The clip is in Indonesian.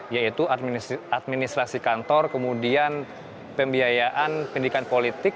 yaitu administrasi kantor kemudian pembiayaan pendidikan politik dan kondisi internal dari partai politik